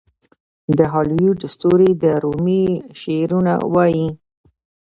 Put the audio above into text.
د هالیووډ ستوري د رومي شعرونه وايي.